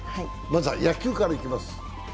まずは野球からいきます。